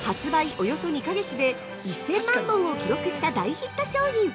およそ２か月で１０００万本を記録した大ヒット商品！